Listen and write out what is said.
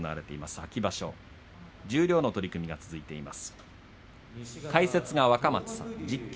秋場所、十両の取組が続いています。